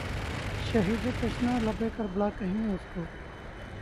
شہیدِ تشنہ لبِ کربلا کہیں اُس کو